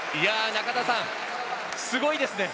中田さん、すごいですね。